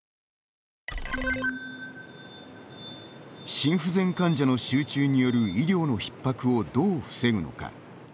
心不全患者の集中による医療のひっ迫をどう防ぐのか。